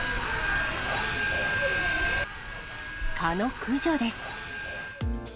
蚊の駆除です。